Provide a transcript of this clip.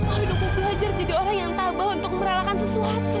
aduh gue belajar jadi orang yang tabah untuk merelakan sesuatu